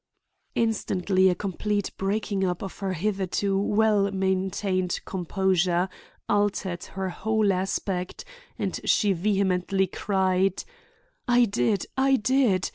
Instantly a complete breaking up of her hitherto well maintained composure altered her whole aspect and she vehemently cried: "I did, I did.